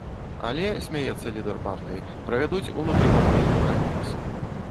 Але, смяецца лідар партыі, правядуць унутрыпартыйны праймерыз.